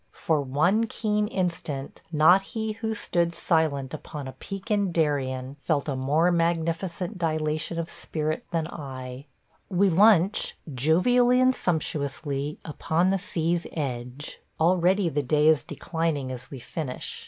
For one keen instant not he who stood "Silent upon a peak in Darien" felt a more magnificent dilation of spirit than I. We lunch, jovially and sumptuously, upon the sea's edge. Already the day is declining as we finish.